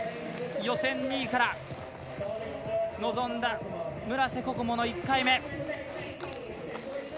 予選２位から臨んだ村瀬心椛の１回目。